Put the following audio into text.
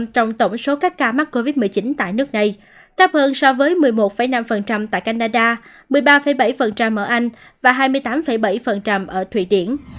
trong tổng số các ca mắc covid một mươi chín tại nước này thấp hơn so với một mươi một năm tại canada một mươi ba bảy ở anh và hai mươi tám bảy ở thụy điển